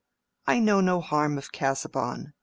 I know no harm of Casaubon.